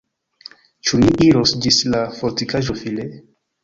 Ĉu ni iros ĝis la fortikaĵo File?